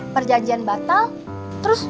perjanjian batal terus